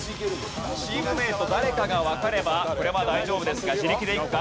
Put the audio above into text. チームメート誰かがわかればこれは大丈夫ですが自力でいくか？